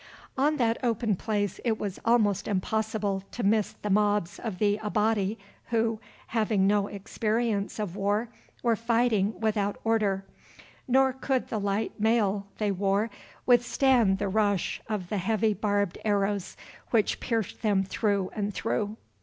On that open place it was almost impossible to miss the mobs of the Abati who, having no experience of war, were fighting without order. Nor could the light mail they wore withstand the rush of the heavy barbed arrows which pierced them through and through.